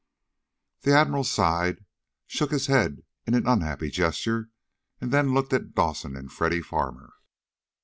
The Admiral sighed, shook his head in an unhappy gesture, and then looked at Dawson and Freddy Farmer.